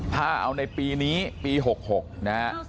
ถ้าเอาในปีนี้ปี๖๖นะฮะ